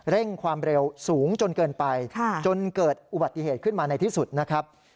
เร่งความเร็วสูงจนเกินไปจนเกิดอุบัติเหตุขึ้นมาในที่สุดนะครับ